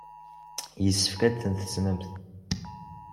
Yessefk ad ten-tessnemt.